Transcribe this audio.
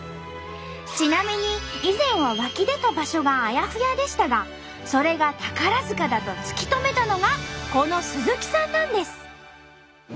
ちなみに以前は湧き出た場所があやふやでしたがそれが宝塚だと突き止めたのがこの鈴木さんなんです。